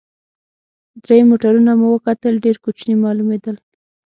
درې موټرونه مو وکتل، ډېر کوچني معلومېدل.